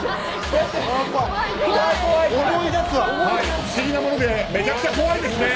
不思議なものでめちゃくちゃ怖いですね。